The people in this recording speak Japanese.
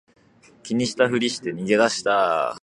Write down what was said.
気にしたふりして逃げ出した